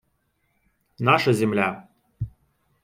Наша земля.